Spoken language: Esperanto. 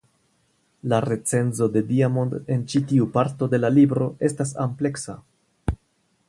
La recenzo de Diamond en ĉi tiu parto de la libro estas ampleksa.